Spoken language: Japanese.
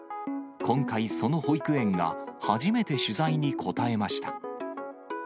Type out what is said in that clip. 今回、その保育園が初めて取材に応えました。